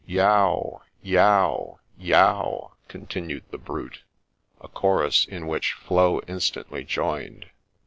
Yow ! yow ! yow ! continued the brute, — a chorus in which Flo instantly joined.